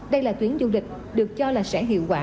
đây là tuyến du lịch được cho là sẽ hiệu quả